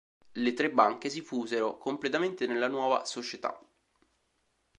Le tre banche si fusero completamente nella nuova società.